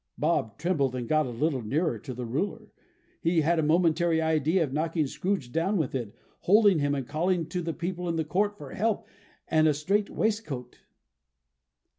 Bob trembled, and got a little nearer to the ruler. He had a momentary idea of knocking Scrooge down with it, holding him, and calling to the people in the court for help and a strait waistcoat.